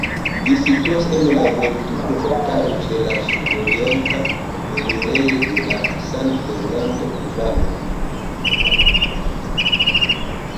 Ĝi situas en la Verdugo-montaro, ĉe la sudorienta enirejo de la San Fernando-valo.